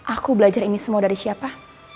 aku belajar ini semua dari siapa